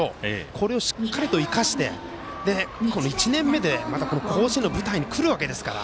これをしっかりと生かして１年目で、甲子園の舞台に来るわけですから。